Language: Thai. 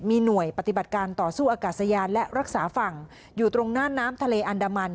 มีหน่วยปฏิบัติการต่อสู้อากาศยานและรักษาฝั่งอยู่ตรงหน้าน้ำทะเลอันดามัน